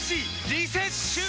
リセッシュー！